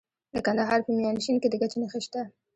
د کندهار په میانشین کې د ګچ نښې شته.